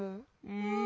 うん。